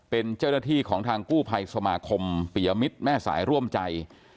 เป็นเจ้าหน้าที่ของทางกู้ภัยสมาคมปียมิตรแม่สายร่วมใจ